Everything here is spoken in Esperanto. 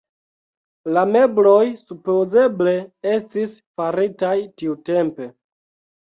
La mebloj supozeble estis faritaj tiutempe.